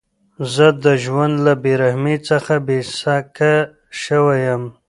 زه د ژوند له بېرحمۍ څخه بېسېکه شوی وم.